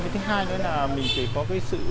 thứ hai nữa là mình phải có cái sự